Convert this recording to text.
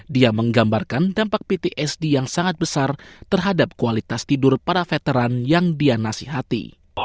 dia menggambarkan dampak ptsd yang sangat besar terhadap kualitas tidur para veteran yang dia nasihati